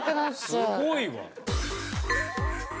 すごいわ。